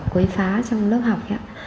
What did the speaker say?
quậy phá trong lớp học